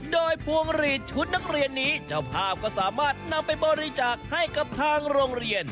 โดยพวงหลีดชุดนักเรียนนี้เจ้าภาพก็สามารถนำไปบริจาคให้กับทางโรงเรียน